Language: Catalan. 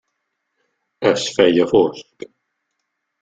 Es feia fosc.